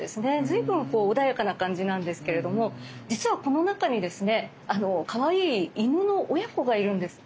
随分穏やかな感じなんですけれども実はこの中にですねかわいい犬の親子がいるんです。